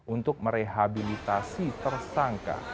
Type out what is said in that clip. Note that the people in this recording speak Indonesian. untuk merehabilitasi tersangka